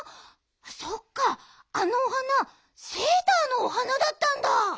そっかあのお花セーターのお花だったんだ。